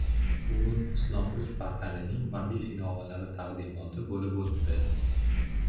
Bugun Islom.uz portalining mobil ilovalari taqdimoti bo‘lib o‘tdi